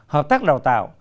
hợp tác đào tạo